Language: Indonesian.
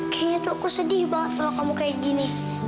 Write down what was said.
kayaknya tuh aku sedih banget kalau kamu kayak gini